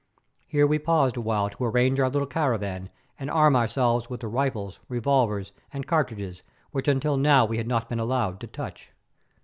Here we paused awhile to arrange our little caravan and arm ourselves with the rifles, revolvers, and cartridges which until now we had not been allowed to touch.